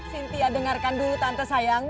cynthia dengarkan dulu tante sayang